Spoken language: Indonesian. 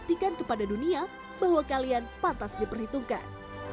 dan kepada dunia bahwa kalian pantas diperhitungkan